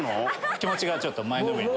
気持ちがちょっと前のめりに。